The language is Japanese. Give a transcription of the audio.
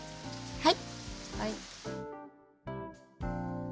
はい。